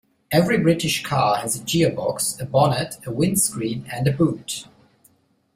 Every British car has a gearbox, a bonnet, a windscreen, and a boot